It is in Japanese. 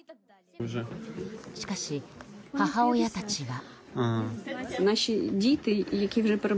しかし、母親たちは。